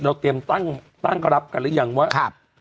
เตรียมตั้งรับกันหรือยังว่า